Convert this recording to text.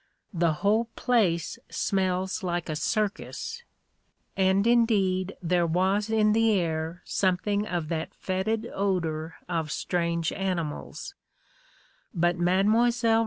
"The whole place smells like a circus." And indeed there was in the air something of that / 88 A KING IN BABYLON fetid odor of strange animals But Mile.